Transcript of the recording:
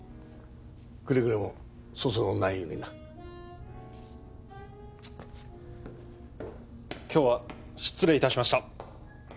くれぐれも粗相のないようにな今日は失礼いたしました